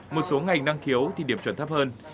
một số ngành năng khiếu thì điểm chuẩn thấp hơn